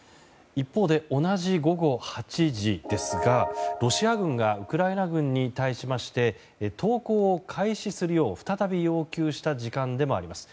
同じ午後８時ですがロシア軍がウクライナ軍に対しまして投降を開始するよう再び要求した時間でもあります。